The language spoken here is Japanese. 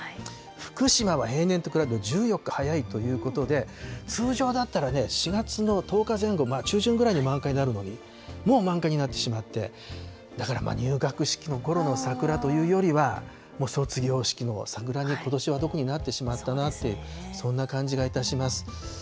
福島は平年と比べると１４日早いということで、通常だったらね、４月の１０日前後、中旬ぐらいに満開になるのに、もう満開になってしまって、だから入学式のころの桜というよりは、卒業式の桜にことしは特になってしまったなと、そんな感じがいたします。